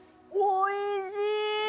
おいしい！